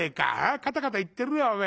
カタカタいってるよおめえ。